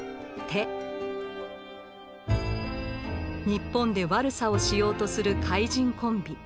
日本で悪さをしようとする怪人コンビ。